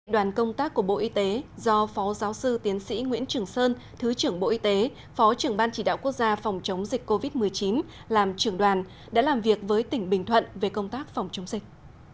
đoàn công tác của bộ y tế do phó giáo sư tiến sĩ nguyễn trường sơn thứ trưởng bộ y tế phó trưởng ban chỉ đạo quốc gia phòng chống dịch covid một mươi chín làm trưởng đoàn đã làm việc với tỉnh bình thuận về công tác phòng chống dịch